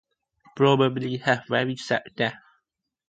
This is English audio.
Probably have very sad death.